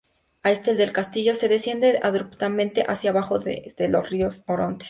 Al este del castillo, se desciende abruptamente hacia abajo desde el río Orontes.